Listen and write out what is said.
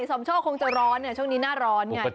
สมโชคคงจะร้อนช่วงนี้หน้าร้อนไง